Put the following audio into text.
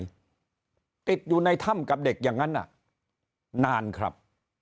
ติดอยู่ในถ้ำกับเด็กอย่างนั้นน่ะนานครับ